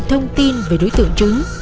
thông tin về đối tượng trứ